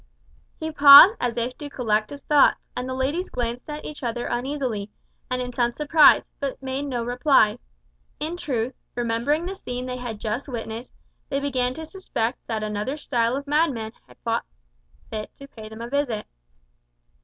He paused as if to collect his thoughts, and the ladies glanced at each other uneasily, and in some surprise, but made no reply. In truth, remembering the scene they had just witnessed, they began to suspect that another style of madman had thought fit to pay them a visit.